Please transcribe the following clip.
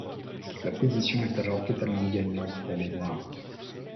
La position est alors totalement gagnante pour les Noirs.